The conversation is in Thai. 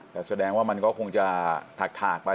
แต่แสดงว่ามันก็คงจะถากไป